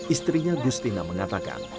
istrinya gustina mengatakan